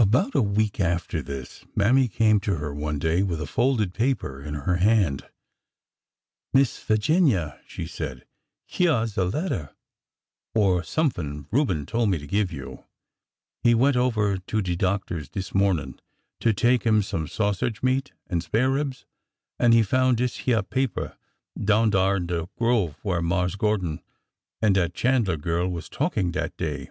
About a week after this. Mammy came to her one day with a folded paper in her hand. " Miss Figinia," she said, '' hyeah 's a letter or somepn Reuben told me to give you. He went over to de doc tor's dis mornin' to take 'em some sausage meat an' spare ribs, an' he foun' dis hyeah paper down dar in de grove, whar Marse Gordon an' dat Chan'ler gyurl was talkin' dat day.